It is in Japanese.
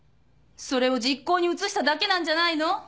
それを実行にうつしただけなんじゃないの？